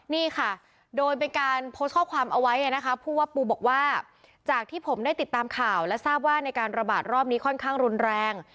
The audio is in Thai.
นี่ค่ะโดยเป็นการโพสต์ข้อความเอาไว้นะคะผู้ว่าปูบอกว่าจากที่ผมได้ติดตามข่าวและทราบว่าในการระบาดรอบนี้ค่อนข้างรุนแรง